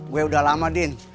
gue udah lama din